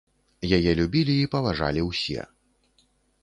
Яе любілі і паважалі ўсе.